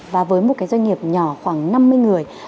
và với một cái doanh nghiệp nhỏ khoảng năm mươi người